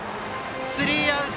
スリーアウト。